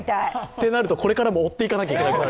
そうなると、これからも追っていかなきゃならなくなる。